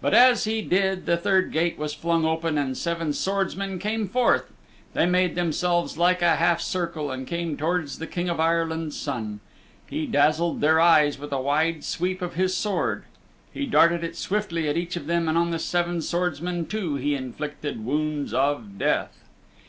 But as he did the third gate was flung open and seven swordsmen came forth. They made themselves like a half circle and came towards the King of Ireland's Son. He dazzled their eyes with a wide sweep of his sword. He darted it swiftly at each of them and on the seven swordsmen too he inflicted wounds of death.